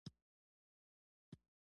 نیکي د الله رضا سبب ګرځي.